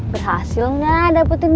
berhasil gak dapetin buktinya